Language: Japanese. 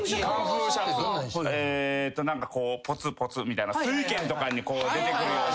何かこうぽつぽつみたいな『酔拳』とかに出てくるような。